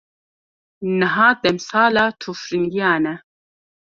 Niha demsala tûfiringiyan e.